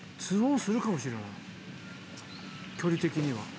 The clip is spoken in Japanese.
ツーオンするかもしれない距離的には。